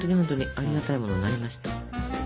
有り難いものになりました。